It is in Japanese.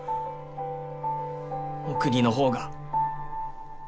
お国の方が。